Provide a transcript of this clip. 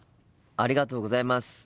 ありがとうございます。